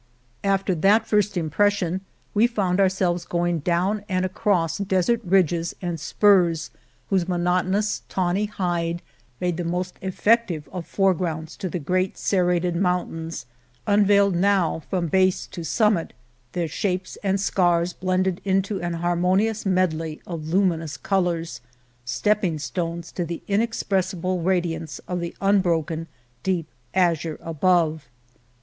After that first impression we found our selves going down and across desert ridges and spurs whose monotonous, tawny hide made the most effective of foregrounds to the great serrated mountains unveiled now 197 ^ 4 a The Morena from base to summit, their shapes and scars blended into an harmonious medley of lu minous colors — stepping stones to the inex pressible radiance of the unbroken, deep azure above.